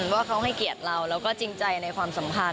ว่าเขาให้เกียรติเราแล้วก็จริงใจในความสัมพันธ